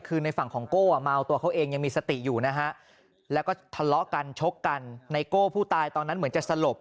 คือในฝั่งของโก้เมาตัวเขาเองยังมีสติอยู่นะฮะแล้วก็ทะเลาะกันชกกันไนโก้ผู้ตายตอนนั้นเหมือนจะสลบ